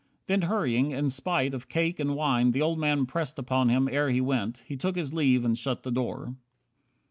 Then hurrying, in spite Of cake and wine the old man pressed upon Him ere he went, he took his leave and shut the door.